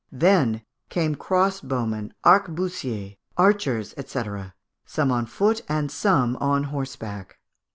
Then came crossbowmen, arquebusiers, archers, &c., some on foot and some on horseback.